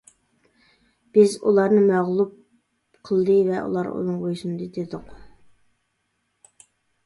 بىز: ئۇلارنى مەغلۇپ قىلدى ۋە ئۇلار ئۇنىڭغا بويسۇندى-دېدۇق.